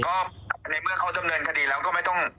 ก็ในเมื่อเขาดำเนินคดีแล้วก็ไม่ต้อง